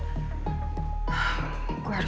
aku harus kabur dulu